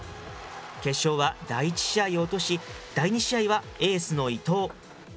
決勝は第１試合を落とし、第２試合はエースの伊藤。